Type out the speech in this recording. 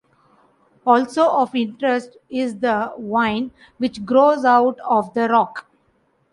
Also of interest is the vine which grows out of the rock.